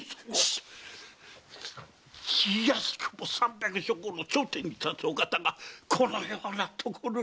いやしくも三百諸侯の頂点に立つお方がこのような所に！